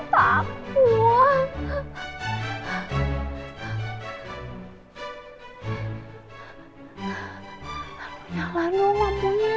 tuh gitu takut